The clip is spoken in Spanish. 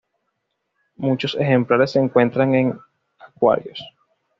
Muchos ejemplares se encuentran en acuarios.